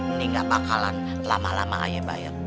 ini gak bakalan lama lama aja bayar